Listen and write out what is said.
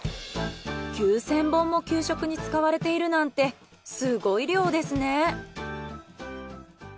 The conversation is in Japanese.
９，０００本も給食に使われているなんてすごい量ですね。